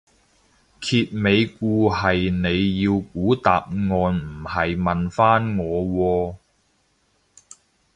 揭尾故係你要估答案唔係問返我喎